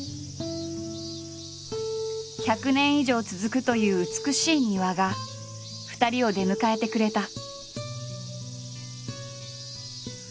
１００年以上続くという美しい庭が２人を出迎えてくれた。